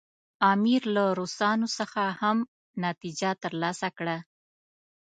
امیر له روسانو څخه هم نتیجه ترلاسه کړه.